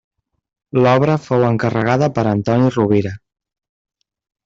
L'obra fou encarregada per Antoni Rovira.